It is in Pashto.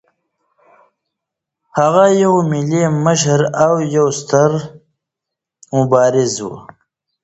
هغه یو ملي مشر او یو ستر مبارز و.